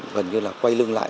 gần như là quay lưng lại